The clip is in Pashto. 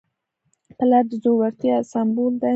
پلار د زړورتیا سمبول دی.